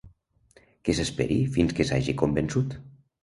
que s'esperi fins que s'hagi convençut